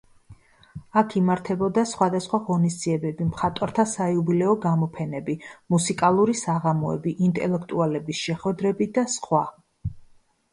აქ იმართებოდა სხვადასხვა ღონისძიებები: მხატვართა საიუბილეო გამოფენები, მუსიკალური საღამოები, ინტელექტუალების შეხვედრები და სხვა.